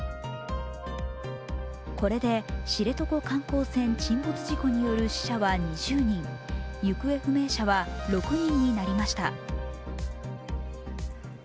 これで知床観光船沈没事故による死者は２０人、行方不明者は６人になりました。